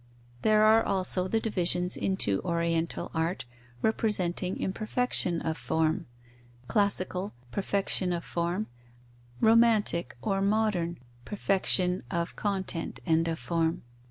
There are also the divisions into oriental art, representing imperfection of form; classical, perfection of form; romantic or modern, perfection of content and of form.